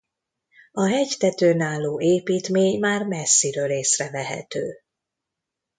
A hegytetőn álló építmény már messziről észrevehető.